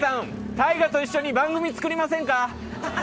ＴＡＩＧＡと一緒に番組作りませんか？